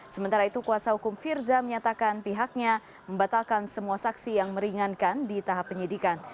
sementara itu kuasa hukum firza menyatakan pihaknya membatalkan semua saksi yang meringankan di tahap penyidikan